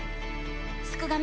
すくがミ